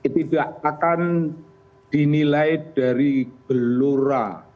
tidak akan dinilai dari belora